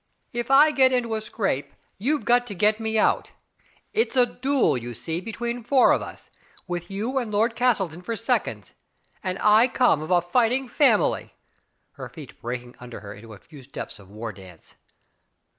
"If I get into a scrape, youVe got to get me out. It's a duel, you see, between four of us, with you and Lord Castleton for seconds, and I Digitized by Google MAY CROMMELIN, ^Z come of a fighting family/* her feet breaking under her into a few steps of war dance.